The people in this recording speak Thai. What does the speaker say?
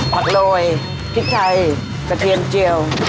โรยพริกไทยกระเทียมเจียว